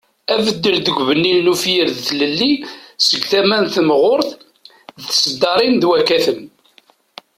Abeddel deg lbeni n ufyir ,d tlelli seg tama n tmeɣrut d tesddarin d wakaten.